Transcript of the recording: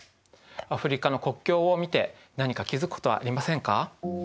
アフリカの国境を見て何か気付くことはありませんか？